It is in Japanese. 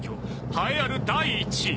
栄えある第１位！